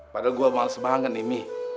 padahal gua males banget nih umi